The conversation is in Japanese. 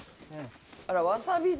あらわさび漬？